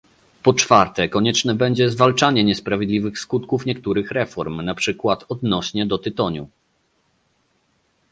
Po czwarte konieczne będzie zwalczenie niesprawiedliwych skutków niektórych reform, na przykład odnośnie do tytoniu